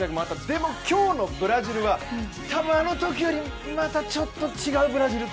でも、今日のブラジルは多分あのときよりまたちょっと違うブラジル。